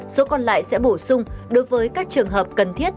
số còn lại sẽ bổ sung đối với các trường hợp cần thiết